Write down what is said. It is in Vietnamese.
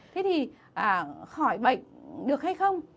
thế thì khỏi bệnh được hay không